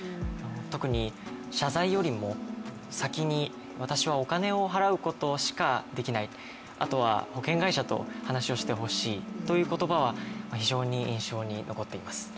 特に謝罪よりも先に、私はお金を払うことしかできない、あとは保険会社と話をしてほしいという言葉は非常に印象に残っています。